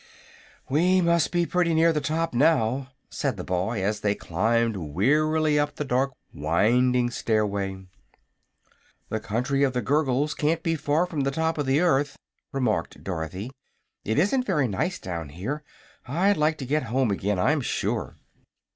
"We must be pretty near the top, now," said the boy, as they climbed wearily up the dark, winding stairway. "The Country of the Gurgles can't be far from the top of the earth," remarked Dorothy. "It isn't very nice down here. I'd like to get home again, I'm sure."